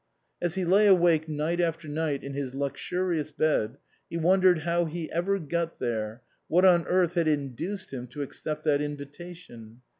As he lay awake night after night in his luxurious bed, he wondered how he ever got there, what on earth had induced him to accept that invitation.